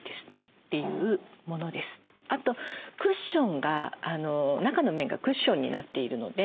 あとクッションが中の面がクッションになっているので。